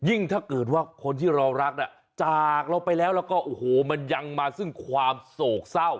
ถ้าเกิดว่าคนที่เรารักจากเราไปแล้วแล้วก็โอ้โหมันยังมาซึ่งความโศกเศร้า